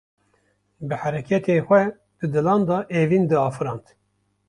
Bi hereketên xwe, di dilan de evîn diafirand